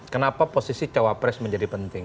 kenapa posisi cawapres menjadi penting